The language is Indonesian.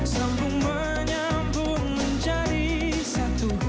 sambung menyambung menjadi satu